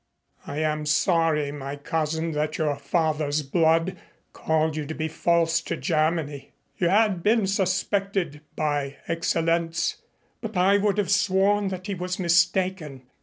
"I am sorry, my cousin, that your father's blood called you to be false to Germany. You had been suspected by Excellenz, but I would have sworn that he was mistaken.